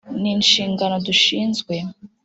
ni inshingano dushinzwe